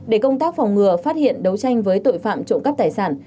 để công tác phòng ngừa phát hiện đấu tranh với tội phạm trộm cắp tài sản